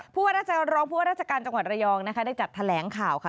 ผู้ว่ารักษารองค์ผู้ว่ารักษาการจังหวัดระยองได้จัดแถลงข่าวค่ะ